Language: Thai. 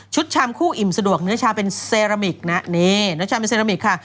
ชามคู่อิ่มสะดวกเนื้อชาเป็นเซรามิกนะนี่เนื้อชามเป็นเซรามิกค่ะ